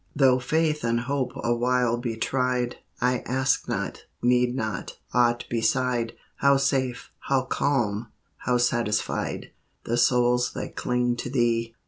Though faith and hope awhile be tried, I ask not, need not, aught beside : How safe, how calm, how satisfied, The souls that cling to Thee